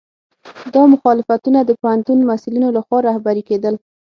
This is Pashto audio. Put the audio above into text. دا مخالفتونه د پوهنتون محصلینو لخوا رهبري کېدل.